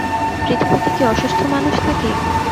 পৃথিবীতে কি অসুস্থ মানুষ থাকে।